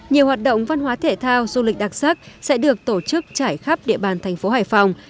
nhiều hoạt động văn hóa thể thao du lịch đặc sắc sẽ được tổ chức trải khắp địa bàn thành phố hải phòng